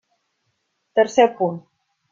Tercer punt.